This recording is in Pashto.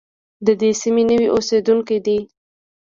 د دې سیمې نوي اوسېدونکي دي.